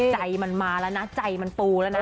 ใจมันมาแล้วนะใจมันปูแล้วนะ